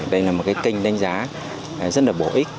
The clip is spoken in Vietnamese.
đây là một cái kênh đánh giá rất là bổ ích